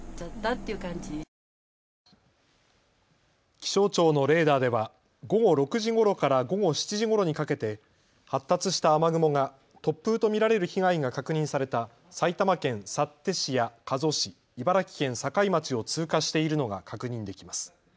気象庁のレーダーでは午後６時ごろから午後７時ごろにかけて発達した雨雲が突風と見られる被害が確認された埼玉県幸手市や加須市、茨城県境町を通過しているのが確認できます。